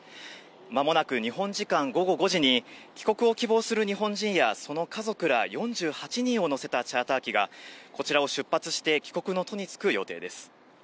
まもなく日本時間午後５時に、帰国を希望する日本人やその家族ら４８人を乗せたチャーター機が、こちらを出発して帰国の途に就く予定です。